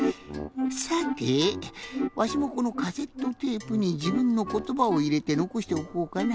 さてわしもこのカセットテープにじぶんのことばをいれてのこしておこうかな。